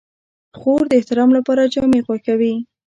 خور د اختر لپاره جامې خوښوي.